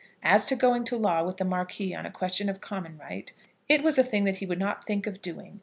As to going to law with the Marquis on a question of Common right, it was a thing that he would not think of doing.